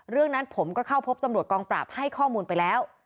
เรื่องนั้นผมก็เข้าพบตำรวจกองปราบให้ข้อมูลไปแล้ว